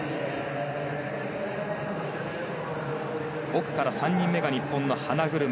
奥から３人目が日本の花車。